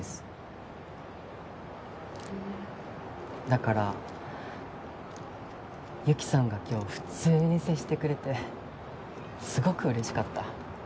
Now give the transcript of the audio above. だから雪さんが今日普通に接してくれてすごくうれしかった。